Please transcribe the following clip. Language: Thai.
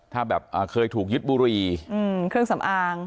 ถ้าแบบเคยถูกยึดบุรีเครื่องสำอาง